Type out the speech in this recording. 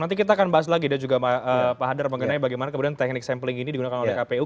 nanti kita akan bahas lagi dan juga pak hadar mengenai bagaimana kemudian teknik sampling ini digunakan oleh kpu